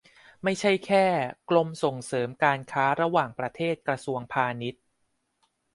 ไม่ใช่แค่ กรมส่งเสริมการค้าระหว่างประเทศ กระทรวงพาณิชย์